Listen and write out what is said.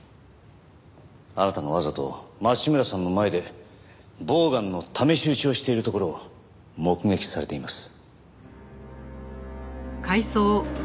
あなたがわざと町村さんの前でボウガンの試し撃ちをしているところを目撃されています。